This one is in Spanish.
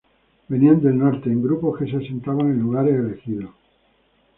Venían del Norte en grupos que se asentaban en lugares elegidos.